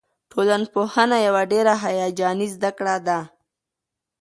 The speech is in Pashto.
ټولنپوهنه یوه ډېره هیجاني زده کړه ده.